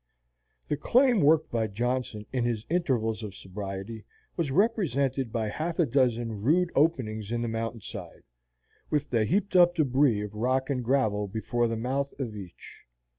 The claim worked by Johnson in his intervals of sobriety was represented by half a dozen rude openings in the mountain side, with the heaped up debris of rock and gravel before the mouth of each.